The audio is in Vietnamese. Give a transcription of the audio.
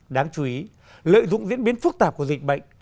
đáng chú ý lợi dụng diễn biến phức tạp của dịch bệnh